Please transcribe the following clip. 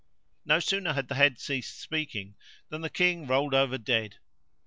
No sooner had the head ceased speaking than the King rolled over dead.